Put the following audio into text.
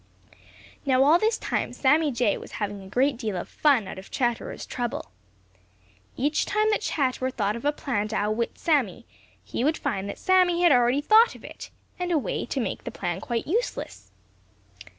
Now all this time, Sammy Jay was having a great deal of fun out of Chatterer's trouble. Each time that Chatterer thought of a plan to outwit Sammy, he would find that Sammy had already thought of it and a way to make the plan quite useless.